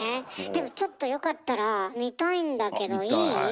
でもちょっとよかったら見たいんだけどいい？